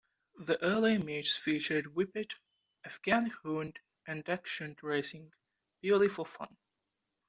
The early meets featured Whippet, Afghan Hound, and Dachshund racing, purely for fun.